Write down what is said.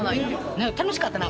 ねっ楽しかったな。